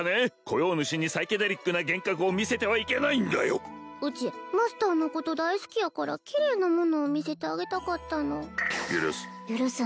雇用主にサイケデリックな幻覚を見せてはいけないんだようちマスターのこと大好きやからキレイなものを見せてあげたかったの許す！